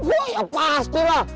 oh ya pastilah